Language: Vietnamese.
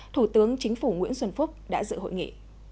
thủ tướng chính phủ nguyễn xuân phúc đã dự hội nghị